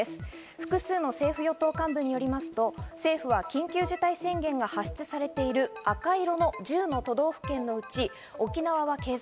複数の政府・与党幹部によりますと、政府は緊急事態宣言が発出されている赤い色の１０の都道府県のうち、沖縄は継続。